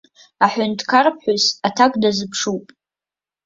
Аҳәынҭқарԥҳәыс аҭак дазыԥшуп.